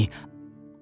aku jatuh cinta padamu